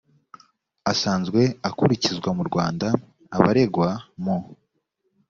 asanzwe akurikizwa mu rwanda abaregwa mu